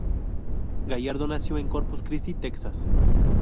Gallardo nació en Corpus Christi, Texas.